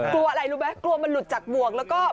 กลัวอะไรรู้ไหมกลัวมันหลุดจากบวกแล้วก็